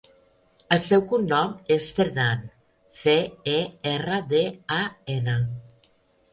El seu cognom és Cerdan: ce, e, erra, de, a, ena.